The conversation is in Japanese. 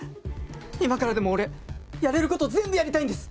今からでも俺やれる事全部やりたいんです！